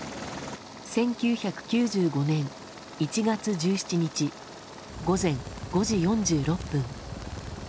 １９９５年１月１７日午前５時４６分